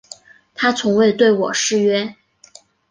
他从未对我失约